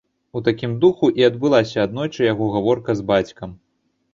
У такім духу і адбылася аднойчы яго гаворка з бацькам.